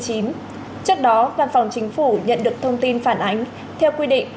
trước đó văn phòng chính phủ nhận được thông tin phản ánh theo quy định